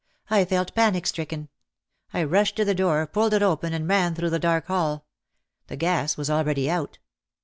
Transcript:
I felt panic stricken. I rushed to the door, pulled it open and ran through the dark hall, — the gas was already out.